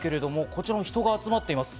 こちらも人が集まっています。